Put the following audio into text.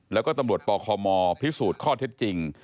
แล้วก็ตำรวจปคมพิสูจน์ข้อเท็จจริง